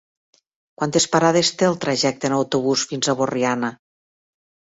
Quantes parades té el trajecte en autobús fins a Borriana?